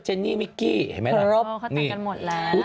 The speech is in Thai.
เจนี่มิกกี้เห็นไหมนะเขาตัดกันหมดแล้ว